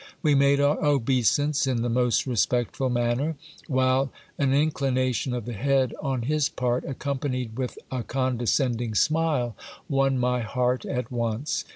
We made our obeisance in the most respectful manner ; while an inclination of the head on his part, accompanied with a con descending smile, won my heart at once.